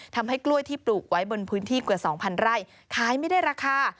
ทำให้กล้วยที่ปลูกไว้บนพื้นที่กว่า๒๐๐ไร่ขายไม่ได้ราคา